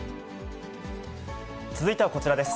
続いてはこちらです。